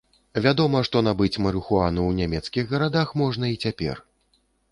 Вядома, што набыць марыхуану ў нямецкіх гарадах можна і цяпер.